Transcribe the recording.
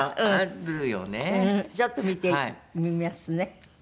ちょっと見てみますね。